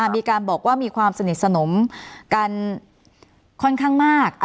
มีการบอกว่ามีความสนิทสนมกันค่อนข้างมาก